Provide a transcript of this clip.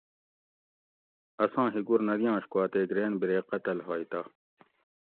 اساں ہِکور نہ دیانش کو اتیک رین بِرے قتل ہوگ تہ